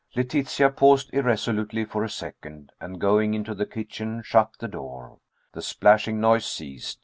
Letitia paused irresolutely for a second, and going into the kitchen shut the door. The splashing noise ceased.